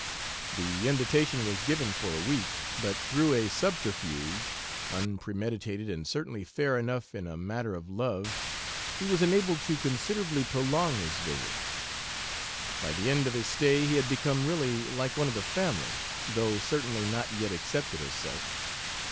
The invitation was given for a week, but through a subterfuge unpremeditated, and certainly fair enough in a matter of love he was enabled to considerably prolong his visit. By the end of his stay he had become really "like one of the family," though certainly not yet accepted as such.